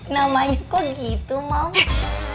namanya kok gitu mams